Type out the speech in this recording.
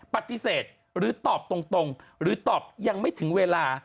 ปฏิเสธหรือตอบตรงหรือตอบยังไม่ถึงเวลา